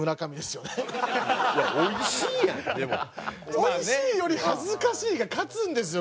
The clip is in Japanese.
おいしいより恥ずかしいが勝つんですよ